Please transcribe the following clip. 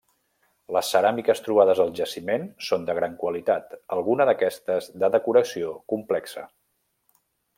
Les ceràmiques trobades al jaciment són de gran qualitat, alguna d'aquestes de decoració complexa.